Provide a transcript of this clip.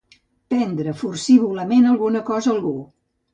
Prendre forcívolament alguna cosa a algú.